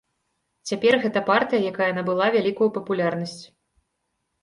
Цяпер гэта партыя, якая набыла вялікую папулярнасць.